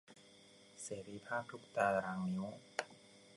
เสรีภาพทุกตารางนิ้ว